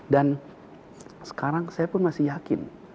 dan sekarang saya pun masih yakin